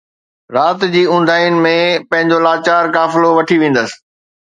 رات جي اونداھين ۾ پنھنجو لاچار قافلو وٺي ويندس